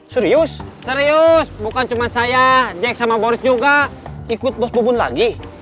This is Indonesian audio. serius serius bukan cuma saya jek sama boris juga ikut bos bubun lagi